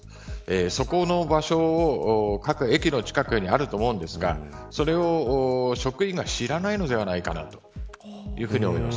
その場所が各駅の近くにあると思うんですがそれを職員が知らないのではないかなというふうに思います。